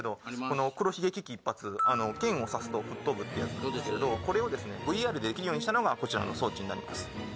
この黒ひげ危機一発あの剣を刺すと吹っ飛ぶっていうやつなんですけどこれをですねＶＲでできるようにしたのがこちらの装置になります